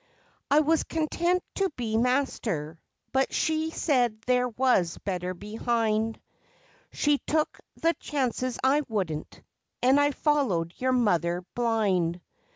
I was content to be master, but she said there was better behind; She took the chances I wouldn't, and I followed your mother blind.